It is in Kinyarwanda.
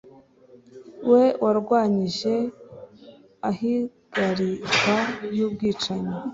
we warwanyije ihagarikwa ry'ubwicanyi